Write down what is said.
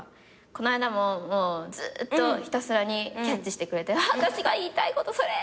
この間もずっとひたすらにキャッチしてくれて私が言いたいことそれ！